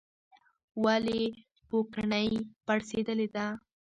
ولې پوکڼۍ پړسیدلې ده؟